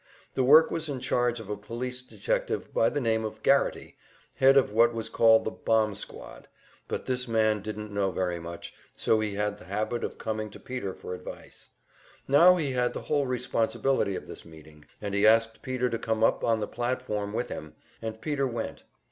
The work was in charge of a police detective by the name of Garrity, head of what was called the "Bomb Squad"; but this man didn't know very much, so he had the habit of coming to Peter for advice. Now he had the whole responsibility of this meeting, and he asked Peter to come up on the platform with him, and Peter went.